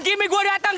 kimi gue datang